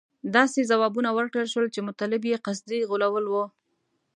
داسې ځوابونه ورکړل شول چې مطلب یې قصدي غولول وو.